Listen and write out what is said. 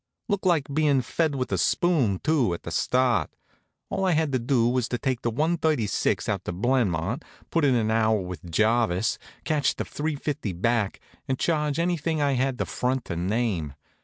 Looked like bein' fed with a spoon, too, at the start. All I had to do was to take the one thirty six out to Blenmont, put in an hour with Jarvis, catch the three fifty back, and charge anything I had the front to name.